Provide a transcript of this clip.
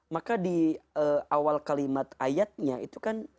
maka di awal kalimat ayatnya itu kan